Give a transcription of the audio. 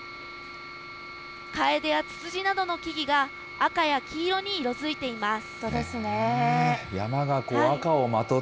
カエデやツツジなどの木々が、赤や黄色に色づいています。